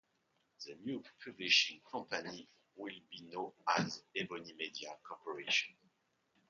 The new publishing company will be known as Ebony Media Corporation.